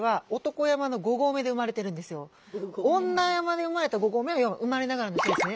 女山に生まれた５合目要は生まれながらの人ですね。